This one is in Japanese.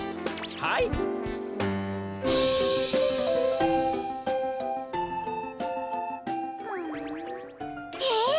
はあえっ！？